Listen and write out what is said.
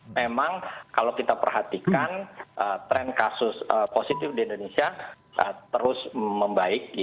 memang kalau kita perhatikan tren kasus positif di indonesia terus membaik